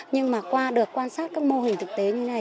nhưng mà qua được quan sát các mô hình thực tế như này